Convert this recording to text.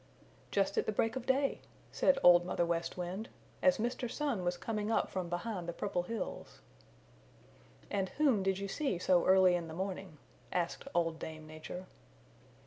"Just at the break of day," said Old Mother West Wind, "as Mr. Sun was coming up from behind the Purple Hills." "And whom did you see so early in the morning?" asked Old Dame Nature.